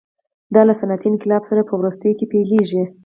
دا له صنعتي انقلاب سره په وروستیو کې پیلېږي.